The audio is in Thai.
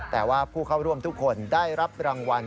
แต่ว่าผู้เข้าร่วมทุกคนได้รับรางวัล